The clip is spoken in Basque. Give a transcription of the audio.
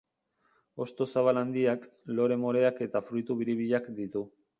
Hosto zabal handiak, lore moreak eta fruitu biribilak ditu.